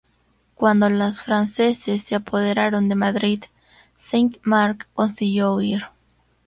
Cuando los franceses se apoderaron de Madrid, Saint-Marcq consiguió huir.